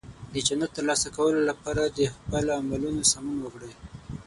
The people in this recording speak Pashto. د جنت ترلاسه کولو لپاره د خپل عملونو سمون وکړئ.